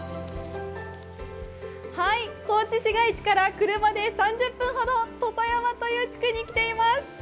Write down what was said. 高知市街地から車で３０分ほど、土佐山という地区に来ています。